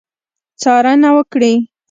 څارنه وکړي.